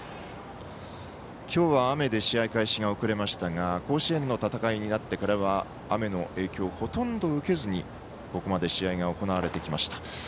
今日は雨で試合開始が遅れましたが甲子園の戦いになってから雨の影響ほとんど受けずにここまで試合が行われてきました。